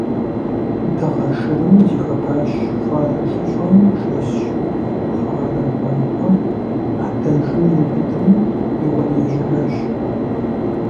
Дыгъэ Шырым зихуапэщ, хуарэ шыщӀэм шэсщ, хуарэ хакӀуэр Ӏэдэжу иубыдри, еуэри ежьащ.